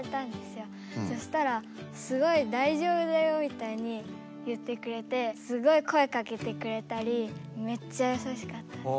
そしたらすごいだいじょうぶだよみたいに言ってくれてすごい声かけてくれたりめっちゃやさしかったです。